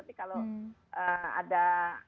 tapi kalau ada pemeriksaan